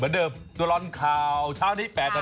เวลาได้นั้นเราจะต้องลอฟอสไฟ